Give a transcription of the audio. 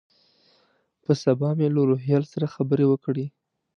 په سبا مې له روهیال سره خبرې وکړې.